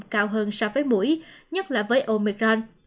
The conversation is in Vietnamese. cao hơn so với mũi nhất là với omicron